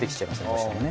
どうしてもね。